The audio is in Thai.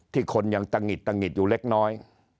ที่คนยังตะหงิดอยู่เล็กน้อย